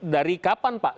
dari kapan pak